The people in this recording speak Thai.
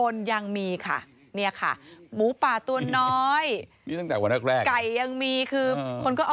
เจ้าหมูป่าตัวน้อยเนี่ยชื่อเบคอน